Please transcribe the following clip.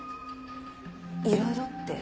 いろいろって？